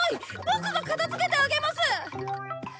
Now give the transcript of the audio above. ボクが片付けてあげます！